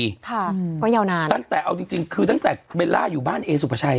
ค่ะก็ยาวนานตั้งแต่เอาจริงจริงคือตั้งแต่เบลล่าอยู่บ้านเอสุภาชัย